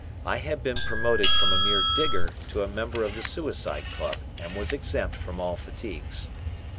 I had been promoted from a mere digger to a member of the Suicide Club, and was exempt from all fatigues.